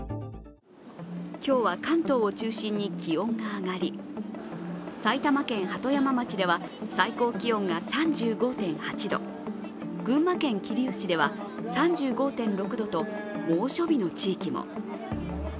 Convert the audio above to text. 今日は関東を中心に気温が上がり埼玉県鳩山町では最高気温が３５．８度、群馬県桐生市では３５．６度と猛暑日の地域も。